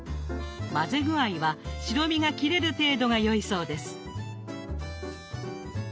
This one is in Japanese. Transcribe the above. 混ぜ具合は白身が切れる程度が良いそうです。